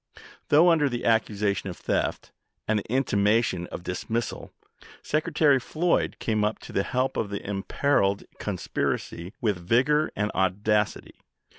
Though under the accusation of theft and the intimation of dismissal, Secretary Floyd came up "Mr. Buck to the help of the imperiled conspiracy with vigor ti, on,"p.riOT and audacity.